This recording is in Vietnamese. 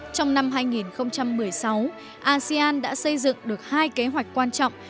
trong năm hai nghìn một mươi sáu asean đã xây dựng được hai kế hoạch quan trọng